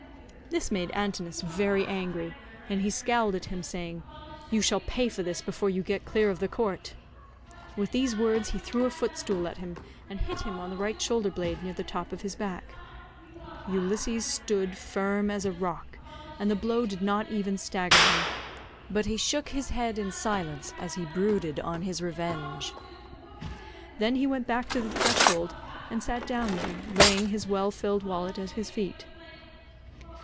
This made Antinous very angry, and he scowled at him saying, "You shall pay for this before you get clear of the court." With these words he threw a footstool at him, and hit him on the right shoulder blade near the top of his back. Ulysses stood firm as a rock and the blow did not even stagger him, but he shook his head in silence as he brooded on his revenge. Then he went back to the threshold and sat down there, laying his well filled wallet at his feet.